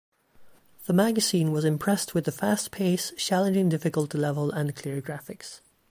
The magazine was impressed with the fast pace, challenging difficulty level, and clear graphics.